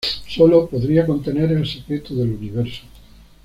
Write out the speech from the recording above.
Sólo podría contener el secreto del universo".